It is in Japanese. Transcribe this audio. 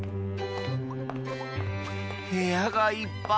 へやがいっぱい！